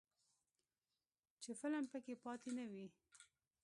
چې فلم پکې پاتې نه وي.